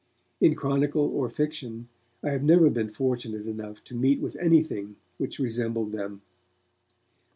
In chronicle or fiction I have never been fortunate enough to meet with anything which resembled them.